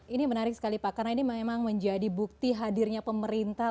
ini menarik sekali pak karena ini memang menjadi bukti hadirnya pemerintah